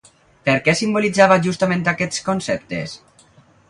Per què simbolitzava justament aquests conceptes?